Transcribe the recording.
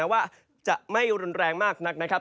ซึ่งแม้ว่าจะไม่ร้องแรงมากนักนะครับ